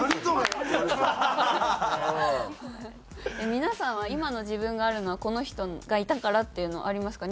皆さんは今の自分があるのはこの人がいたからっていうのはありますか？